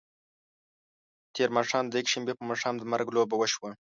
تېر ماښام د یکشنبې په ماښام د مرګ لوبه وشوه.